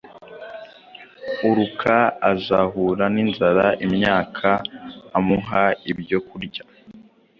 Uruk azahura ninzara imyaka amuha ibyokurya